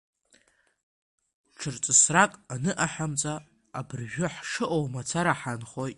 Ҽырҵысрак аныҟаҳамҵа абыржәы ҳшыҟоу мацара ҳаанхоит!